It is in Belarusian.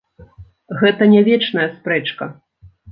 Гэта не вечная спрэчка.